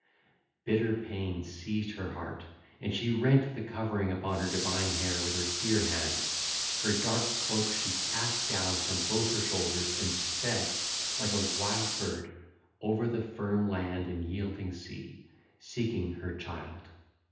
(ll. 40 53) Bitter pain seized her heart, and she rent the covering upon her divine hair with her dear hands: her dark cloak she cast down from both her shoulders and sped, like a wild bird, over the firm land and yielding sea, seeking her child.